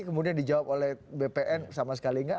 kemudian dijawab oleh bpn sama sekali enggak